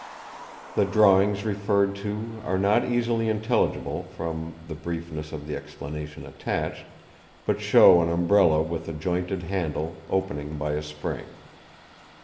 The drawings referred to are not easily intelligible, from the briefness of the explanation attached, but show an Umbrella with a jointed handle, opening by a spring.